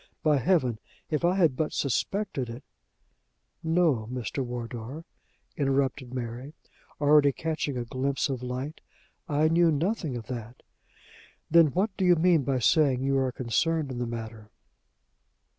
By Heaven! if I had but suspected it " "No, Mr. Wardour," interrupted Mary, already catching a glimpse of light, "I knew nothing of that." "Then what do you mean by saying you are concerned in the matter?"